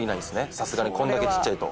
さすがにこんだけちっちゃいと。